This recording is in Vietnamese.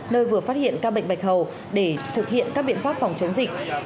nơi vừa phát hiện ca bệnh bạch hầu để thực hiện các biện pháp phòng chống dịch